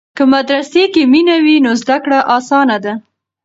که مدرسې کې مینه وي نو زده کړه اسانه ده.